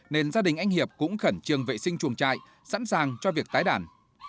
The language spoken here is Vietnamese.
nên gia đình anh hiệp cũng khẩn trương vệ sinh chuồng trại sẵn sàng cho việc tái đàn